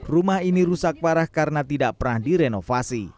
rumah ini rusak parah karena tidak pernah direnovasi